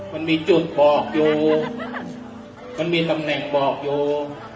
มันมีจุดบอกอยู่มันมีตำแหน่งบอกอยู่